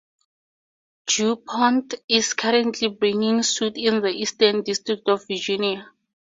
Dupont is currently bringing suit in the Eastern District of Virginia.